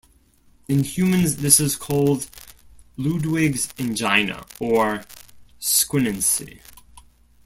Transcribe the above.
In humans, this is called Ludwig's angina, or squinancy.